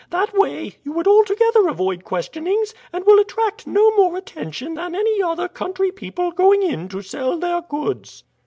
That way you would altogether avoid questionings, and will attract no more attention than other country people going in to sell their goods."